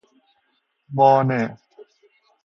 بانه